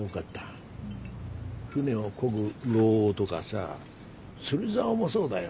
船をこぐ櫓どがさ釣りざおもそうだよ。